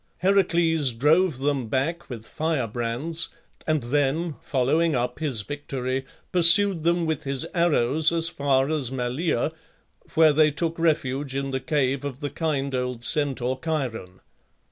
Heracles drove them back with fire brands, and then, following up his victory, pursued them with his arrows as far as Malea, where they took refuge in the cave of the kind old Centaur Chiron.